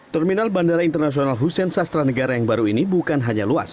terminal bandara internasional hussein sastra negara yang baru ini bukan hanya luas